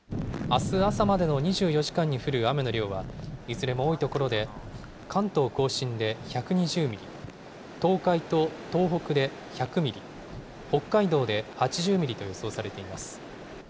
あす朝までの２４時間に降る雨の量は、いずれも多い所で関東甲信で１２０ミリ、東海と東北で１００ミリ、北海道で８０ミリと予想されています。